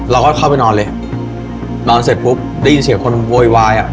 เราก็เข้าไปนอนเลยนอนเสร็จปุ๊บได้ยินเสียงคนโวยวายอ่ะ